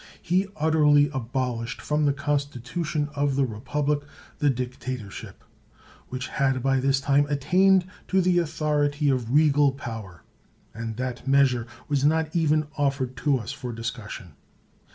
He utterly abol ished from the constitution of the republic the dictatorship, which had by this time attained to the authority of regal power. And that measure was not even offered to us for discussion.